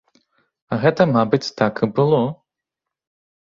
А гэта, мабыць, так і было.